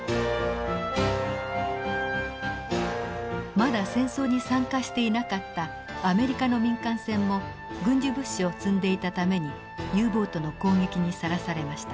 まだ戦争に参加していなかったアメリカの民間船も軍需物資を積んでいたためにＵボートの攻撃にさらされました。